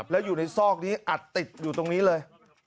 แล้วอยู่ในซอกนี้อัดติดอยู่ตรงนี้เลย